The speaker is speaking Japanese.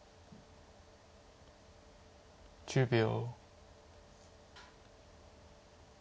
１０秒。